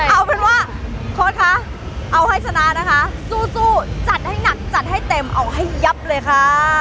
เอาเป็นว่าโค้ดคะเอาให้ชนะนะคะสู้จัดให้หนักจัดให้เต็มเอาให้ยับเลยค่ะ